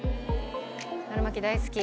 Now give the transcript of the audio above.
春巻き大好き！